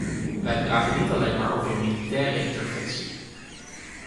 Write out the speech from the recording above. Wij praten niet alleen maar over een militaire interventie.